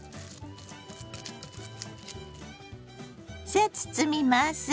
さあ包みます！